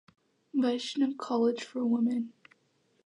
Vaishnav College for Women.